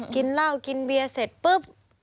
กินเหล้ากินเบียร์เสร็จปุ๊บ